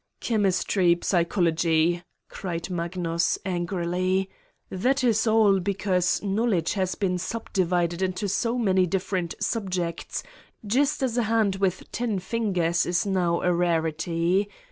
"Chemistry, psychology!" cried Magnus, an grily: "that is all because knowledge has been subdivided into so many different subjects, just as a hand with ten fingers is now a rarity.